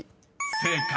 ［正解。